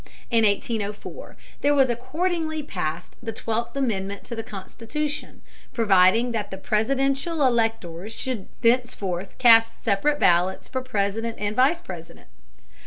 In 1804 there was accordingly passed the Twelfth Amendment to the Constitution, providing that Presidential electors should thenceforth cast separate ballots for President and Vice President.